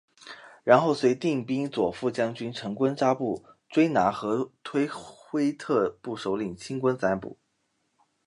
然后随定边左副将军成衮扎布追拿和托辉特部首领青衮咱卜。